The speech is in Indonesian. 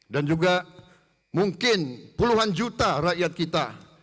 dan juga mungkin puluhan juta rakyat kita